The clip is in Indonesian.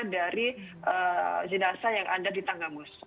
dari jenazah yang ada di tanggamus